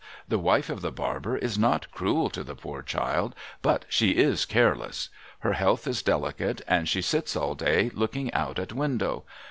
The wife of the barber is not cruel to the poor child, but she is careless. Her health is delicate, and she sits all day, looking out at window.